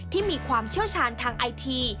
มีความเชี่ยวชาญทางไอที